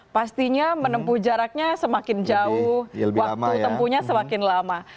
pastinya menempuh jaraknya semakin jauh waktu tempuhnya semakin lama